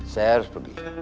saya harus pergi